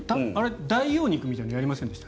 代用肉みたいなのやりませんでした？